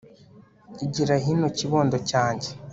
igira hino kibondo cyanjye